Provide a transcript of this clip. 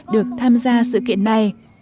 được tham gia sự kiện này